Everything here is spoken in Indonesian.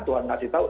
tuhan kasih tau